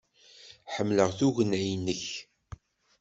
Ḥemmleɣ tugna-nnek.